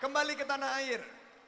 kembali ke tanah air